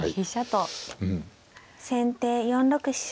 先手４六飛車。